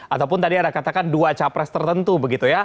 ataupun tadi ada katakan dua capres tertentu begitu ya